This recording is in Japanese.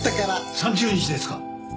３０日ですか？